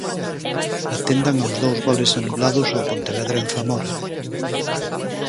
Atendan aos dous goles anulados ao Pontevedra en Zamora.